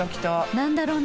何だろうな。